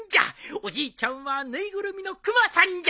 おじいちゃんは縫いぐるみのクマさんじゃ。